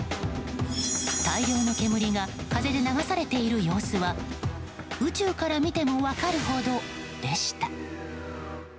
大量の煙が風で流されている様子は宇宙から見ても分かるほどでした。